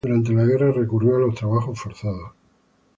Durante la guerra recurrió a los trabajos forzados.